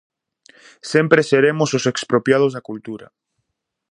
Sempre seremos os expropiados da cultura?